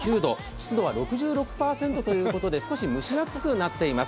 湿度は６６％ということで、少し蒸し暑くなっています。